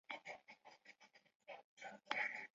芳香白珠为杜鹃花科白珠树属的植物。